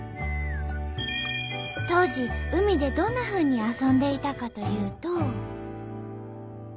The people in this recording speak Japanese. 当時海でどんなふうに遊んでいたかというと。